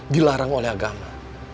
dilarang oleh agama